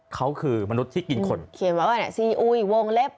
เขาคือมนุษย์ที่กินคนเขียนไว้ว่าเนี่ยซีอุยวงเล็บ